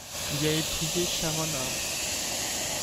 Il a épousé Sharon Arms.